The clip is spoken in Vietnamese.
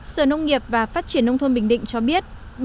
sở nông nghiệp và phát triển nông thôn bình định cho biết